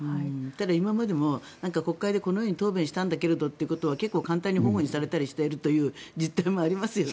今までも国会でこのように答弁したんだけどというようなことでも結構、簡単に反故にされたりしているという実態もありますよね。